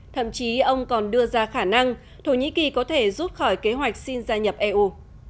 thậm chí ông còn đưa ra khả năng thổ nhĩ kỳ có thể rút khỏi kế hoạch xin gia nhập eu